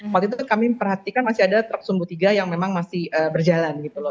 waktu itu kami perhatikan masih ada truk sumbu tiga yang memang masih berjalan gitu loh